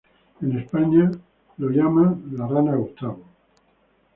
En España, es llamado la "Rana Gustavo".